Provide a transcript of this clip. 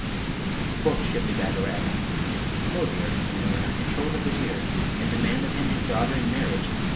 Quoth Shibli Bagarag, 'A clothier, O Noorna, control the Vizier! and demand of him his daughter in marriage!